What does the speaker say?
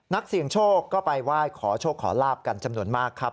นักเสี่ยงโชคก็ไปไหว้ขอโชคขอลาบกันจำนวนมากครับ